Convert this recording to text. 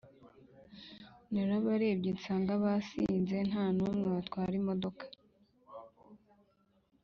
Narabarebye nsanga basinze ntanumwe watwara imodoka